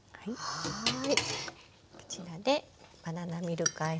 はい。